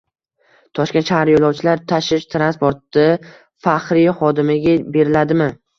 Toshkent shahar yo‘lovchilar tashish transporti Faxriy xodimiga beriladimi?